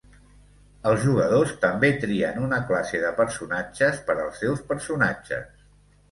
Els jugadors també trien una classe de personatges per als seus personatges.